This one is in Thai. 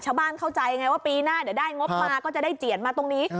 เข้าใจไงว่าปีหน้าเดี๋ยวได้งบมาก็จะได้เจียดมาตรงนี้